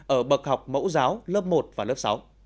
ở bậc học mẫu giáo lớp một và lớp sáu